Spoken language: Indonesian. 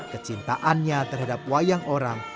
kecintaannya terhadap wayang orang